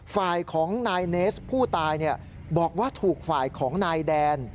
ฝ่ายของนายเนสผู้ตายบอกว่าถูกฝ่ายของนายแดน